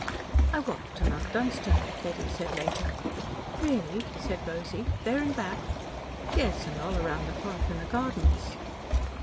"I walked to Mount Dunstan," Betty said later. "Really?" said Rosy. "There and back?" "Yes, and all round the park and the gardens."